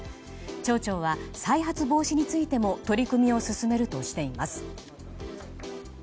町長は再発防止についても取り組みを進めるとしています。